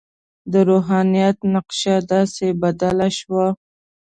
د روحانیت نقش داسې بدل شو.